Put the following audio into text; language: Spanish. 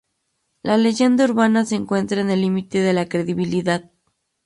La leyenda urbana se encuentra en el límite de la credibilidad.